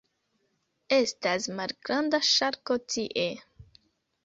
Estas malgranda ŝarko tie.